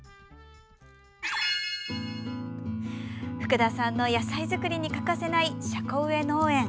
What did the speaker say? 福田さんの野菜作りに欠かせない車庫上農園。